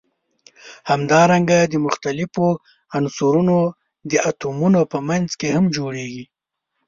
همدارنګه د مختلفو عنصرونو د اتومونو په منځ کې هم جوړیږي.